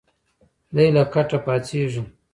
دی له کټه پاڅېږي.